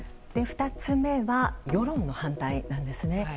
２つ目は、世論の反対なんですね。